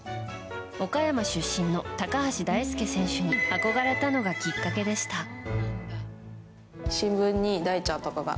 岡山出身の高橋大輔選手に憧れたのがきっかけでした。